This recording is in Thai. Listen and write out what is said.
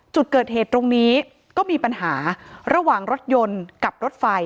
จุดเกิดเหตุตรงนี้ก็มีปัญหาระหว่างรถยนต์กับรถไฟ